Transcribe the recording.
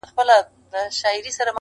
دا ټولنه به نو څنکه اصلاح کيږي,